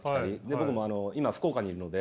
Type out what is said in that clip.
僕も今福岡にいるので。